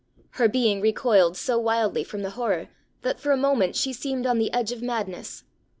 Her being recoiled so wildly from the horror, that for a moment she seemed on the edge of madness.